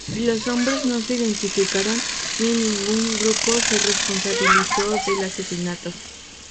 Los hombres no se identificaron, ni ningún grupo se responsabilizó del asesinato.